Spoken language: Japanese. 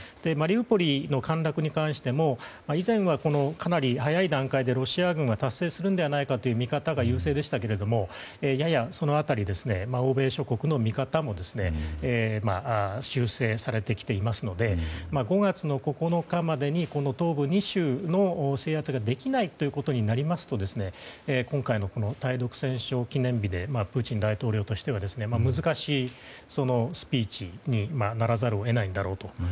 マリウポリの陥落に関しても以前は、かなり早い段階でロシア軍が達成するのではないかという見方が優勢でしたがややその辺り、欧米諸国の見方も修正されてきていますので５月９日までに東部２州の制圧ができないということになりますと今回の対独戦勝記念日でプーチン大統領としては難しいスピーチにならざるを得ないだろうと。